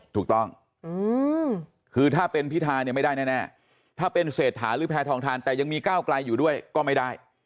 ถูกต้องคือถ้าเป็นพิธาเนี่ยไม่ได้แน่ถ้าเป็นเศรษฐาหรือแพทองทานแต่ยังมีก้าวไกลอยู่ด้วยก็ไม่ได้